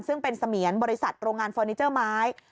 ซึ่งเป็นเสมียนบริษัทโรงงานเฟอร์นิเจอร์ไม้